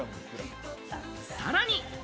さらに。